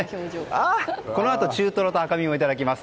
このあと中トロと赤身もいただきます。